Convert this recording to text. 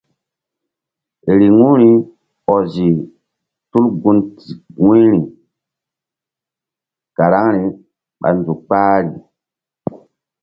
Riŋu ri ɔzi tul gun wu̧yri karaŋri ɓa nzuk kpahri.